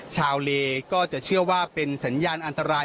เลก็จะเชื่อว่าเป็นสัญญาณอันตราย